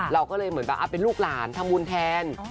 เราก็เลยเหมือนแบบเป็นลูกหลานทำบุญแทน